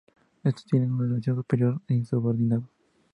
Estos tienen una relación superior-subordinado.